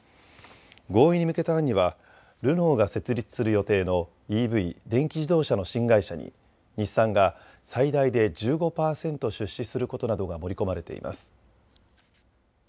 合意に向けた案にはルノーが設立する予定のＥＶ・電気自動車の新会社に日産が最大で１５％出資することなどが盛り込まれています。